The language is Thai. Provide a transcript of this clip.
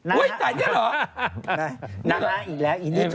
น่ารักต่อกันอีกแล้ว